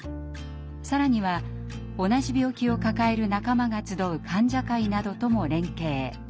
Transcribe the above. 更には同じ病気を抱える仲間が集う患者会などとも連携。